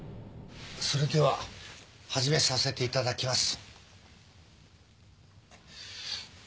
それでは始めさせていただきます。